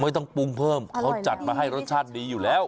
ต้องปรุงเพิ่มเขาจัดมาให้รสชาติดีอยู่แล้ว